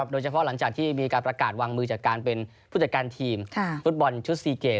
หลังจากที่มีการประกาศวางมือจากการเป็นผู้จัดการทีมฟุตบอลชุด๔เกม